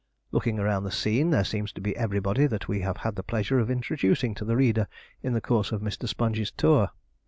Looking around the scene there seems to be everybody that we have had the pleasure of introducing to the reader in the course of Mr. Sponge's Tour.